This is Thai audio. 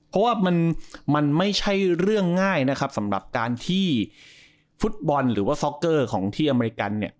เพราะว่ามันไม่ใช่เรื่องง่ายนะครับสำหรับการที่ฟุตบอลหรือว่าซ็อกเกอร์ของที่อเมริกันเนี่ย